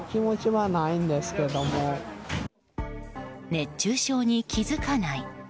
熱中症に気づかない。